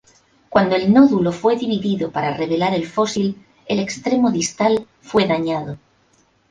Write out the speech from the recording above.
Cuando el nódulo fue dividido para revelar el fósil, el extremo distal fue dañado.